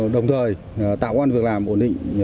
đồng thời tạo quan việc làm ổn định